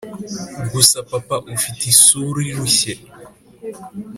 gusa papa, ufite isura irushye,